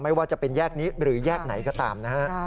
ไม่ว่าจะเป็นแยกนี้หรือแยกไหนก็ตามนะฮะ